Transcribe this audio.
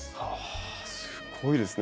あすごいですね。